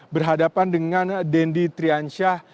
berhadapan dengan dendi triansyah